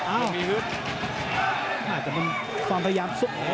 อาจจะเป็นความพยายามสูง